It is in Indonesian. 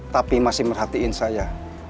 tapi masih merhatiin saya